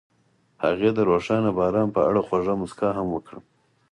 هغې د روښانه باران په اړه خوږه موسکا هم وکړه.